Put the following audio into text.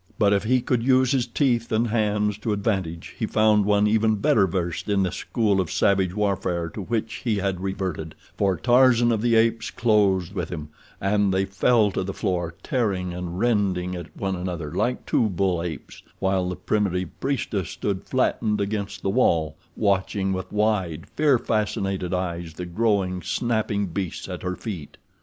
But if he could use his teeth and hands to advantage, he found one even better versed in the school of savage warfare to which he had reverted, for Tarzan of the Apes closed with him, and they fell to the floor tearing and rending at one another like two bull apes; while the primitive priestess stood flattened against the wall, watching with wide, fear fascinated eyes the growling, snapping beasts at her feet.